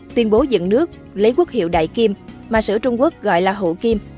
tuyên bố dựng nước lấy quốc hiệu đại kim mà sử trung quốc gọi là hữu kim